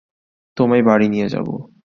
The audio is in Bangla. তোমায় বাড়ি নিয়ে যাবো।